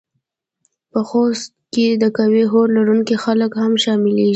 په خوځښت کې د قوي هوډ لرونکي خلک هم شامليږي.